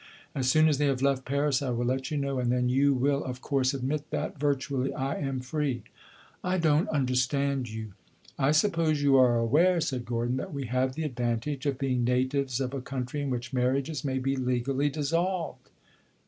As soon as they have left Paris I will let you know; and then you will of course admit that, virtually, I am free." "I don't understand you." "I suppose you are aware," said Gordon, "that we have the advantage of being natives of a country in which marriages may be legally dissolved."